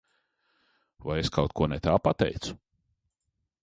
Vai es kaut ko ne tā pateicu?